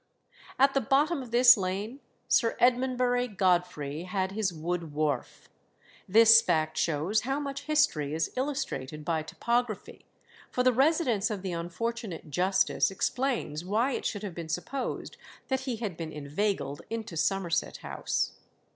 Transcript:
At the bottom of this lane Sir Edmondbury Godfrey had his wood wharf. This fact shows how much history is illustrated by topography, for the residence of the unfortunate justice explains why it should have been supposed that he had been inveigled into Somerset House.